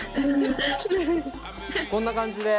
こんな感じで！